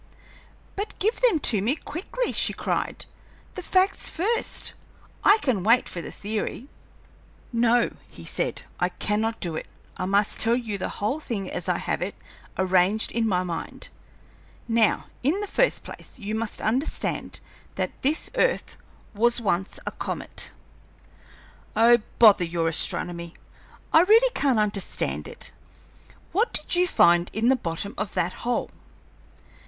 "But give them to me quickly!" she cried. "The facts first I can wait for the theory." "No," he said, "I cannot do it; I must tell you the whole thing as I have it, arranged in my mind. Now, in the first place, you must understand that this earth was once a comet." "Oh, bother your astronomy, I really can't understand it! What did you find in the bottom of that hole?"